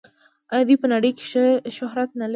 آیا دوی په نړۍ کې ښه شهرت نلري؟